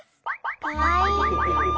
かわいい！